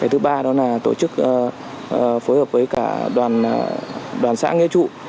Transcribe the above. thứ ba đó là tổ chức phối hợp với cả đoàn xã nghĩa trụ